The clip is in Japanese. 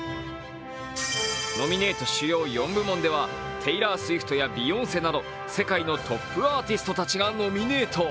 ノミネート主要４部門では、テイラー・スウィフトやビヨンセなど世界のトップアーティストたちがノミネート。